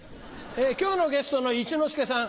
今日のゲストの一之輔さん